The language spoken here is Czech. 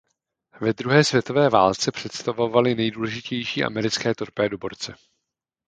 Ve druhé světové válce představovaly nejdůležitější americké torpédoborce.